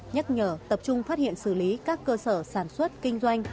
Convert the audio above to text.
nhắc nhở tập trung phát hiện xử lý các cơ sở sản xuất kinh doanh